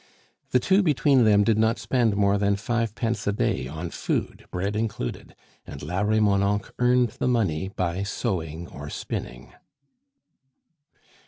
The two between them did not spend more than fivepence a day on food (bread included), and La Remonencq earned the money by sewing or spinning.